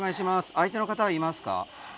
相手の方はいますか？